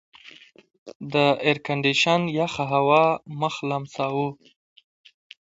د ایرکنډېشن یخه هوا مخ لمساوه.